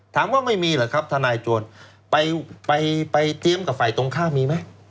ถามว่าไม่มีเหรอครับทนายโจรไปไปเตรียมกับฝ่ายตรงข้ามมีไหม